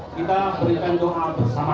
kita berikan doa bersama